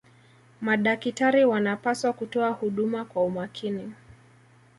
madakitari wanapaswa kutoa huduma kwa umakini